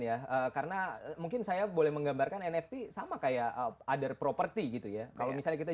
ya karena mungkin saya boleh menggambarkan nft sama kayak other property gitu ya kalau misalnya kita